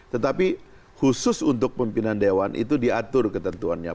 tetapi khusus untuk pimpinan dewan itu diatur ketentuannya